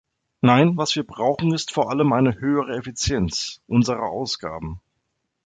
Nein, was wir brauchen, ist vor allem eine höhere Effizienz unserer Ausgaben.